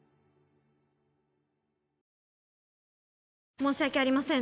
申し訳ありません